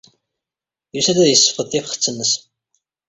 Yusa-d ad yessefqed tifxet-nnes.